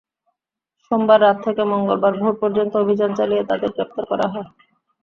সোমবার রাত থেকে মঙ্গলবার ভোর পর্যন্ত অভিযান চালিয়ে তাঁদের গ্রেপ্তার করা হয়।